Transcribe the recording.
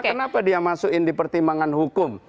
kenapa dia masukin di pertimbangan hukum